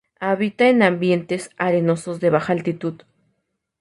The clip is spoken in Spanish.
Habita en ambientes arenosos de baja altitud.